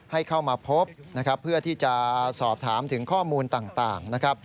ให้เข้ามาพบเพื่อที่จะสอบถามถึงข้อมูลต่าง